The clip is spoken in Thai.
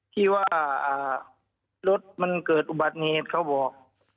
ที่ว่ารถมันเกิดอุบัติเหตุเขาบอก